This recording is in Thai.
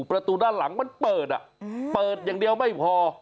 ประตูด้านหลังมันเปิดเปิดอย่างเดียวไม่พอ